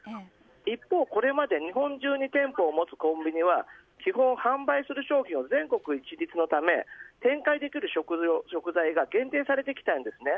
一方これまで、日本中に店舗を持つコンビニは基本、販売する商品を全国一律にするため展開できる食材が限定されてきたんですね。